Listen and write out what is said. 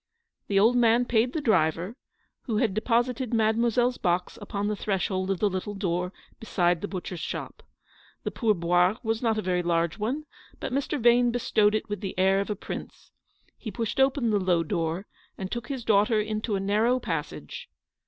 The old man paid the driver, who had deposited mademoiselle's box upon the threshold of the little door beside the butcher's shop. The pour THE ENTRESOL IN THE HUE DE i/AItCHEVLQUE. 21 boire was not a very large one, but Mr. Yane bestowed it with the air of a prince. He pushed open the low door, and took his daughter into a narrow passage.